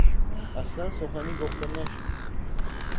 اصلا سخنی گفته نشد.